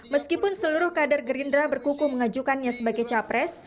meskipun seluruh kader gerindra berkuku mengajukannya sebagai capres